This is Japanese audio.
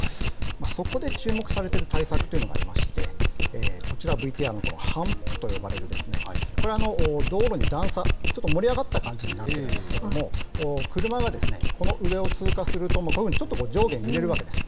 そこで注目されている対策というのがありまして、こちら、ＶＴＲにあるハンプと呼ばれる、これ、道路に段差、ちょっと盛り上がった感じになってるんですけれども、車がこの上を通過すると、こういうふうにちょっと上下に揺れるわけです。